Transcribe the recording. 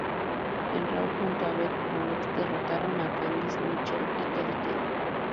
En Raw junto a Beth Phoenix derrotaron a Candice Michelle y Kelly Kelly.